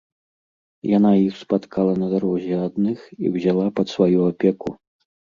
Яна іх спаткала на дарозе адных і ўзяла пад сваю апеку.